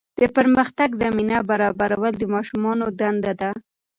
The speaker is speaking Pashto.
د پرمختګ زمینه برابرول د ماشومانو دنده ده.